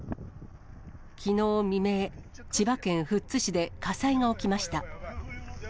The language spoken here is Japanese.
きのう未明、千葉県富津市で火災が起きました。